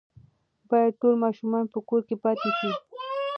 باید ټول ماشومان په کور کې پاتې شي.